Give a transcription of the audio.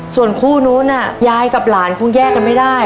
ส่วนคู่นู้นยายกับหลานคงแยกกันไม่ได้